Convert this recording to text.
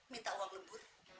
minta uang lembur